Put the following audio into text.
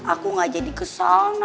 aku gak jadi kesana